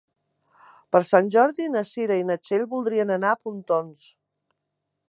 Per Sant Jordi na Cira i na Txell voldrien anar a Pontons.